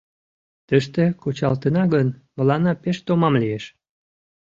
— Тыште кучалтына гын, мыланна пеш томам лиеш.